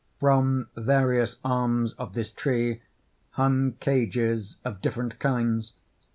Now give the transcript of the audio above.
From various arms of this tree hung cages of different kinds.